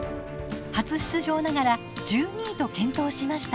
初出場ながら１２位と健闘しました。